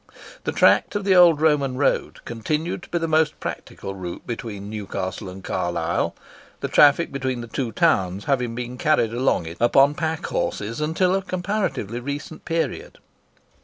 The tract of the old Roman road continued to be the most practicable route between Newcastle and Carlisle, the traffic between the two towns having been carried along it upon packhorses until a comparatively recent period.